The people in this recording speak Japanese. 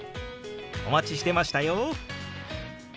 お待ちしてましたよ！